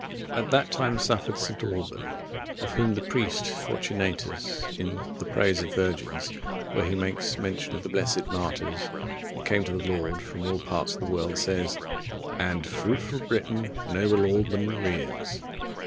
At that time suffered St. Alban,(50) of whom the priest Fortunatus,(51) in the Praise of Virgins, where he makes mention of the blessed martyrs that came to the Lord from all parts of the world, says: And fruitful Britain noble Alban rears.